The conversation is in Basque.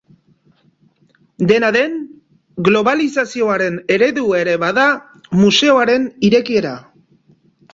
Dena den, globalizazioaren eredu ere bada museoaren irekiera.